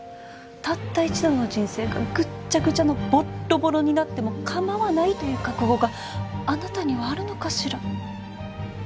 たった一度の人生がぐっちゃぐちゃのボッロボロになっても構わないという覚悟があなたにはあるのかしら？